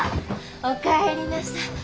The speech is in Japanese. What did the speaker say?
お帰りなさい。